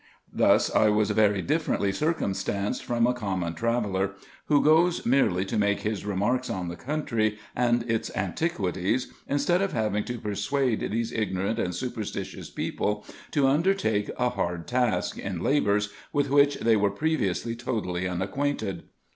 Thus I was very differently circumstanced from a common traveller, who goes merely to make his remarks on the country and its anti quities, instead of having to persuade these ignorant and super stitious people to undertake a hard task, in labours, with which they were previously totally unacquainted.